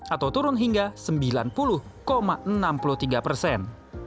atau turun hingga sembilan puluh enam puluh tiga persen